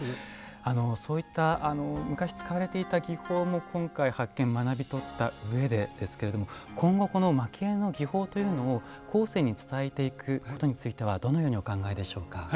そういった昔使われていた技法も今回発見学び取った上でですけれども今後この蒔絵の技法というのを後世に伝えていくことについてはどのようにお考えでしょうか？